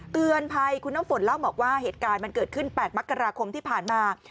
เตือนภัยคุณน้ำฝนเล่าบอกว่าเหตุการณ์มันเกิดขึ้น๘มกราคมที่ผ่านมา